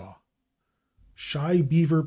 /Shy Beaver/, Pa.